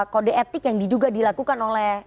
kode etik yang diduga dilakukan oleh